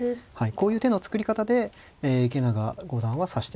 こういう手の作り方で池永五段は指していました。